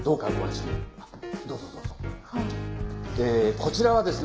こちらはですね。